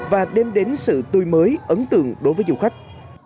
và đem đến sự tươi mới ấn tượng đối với du khách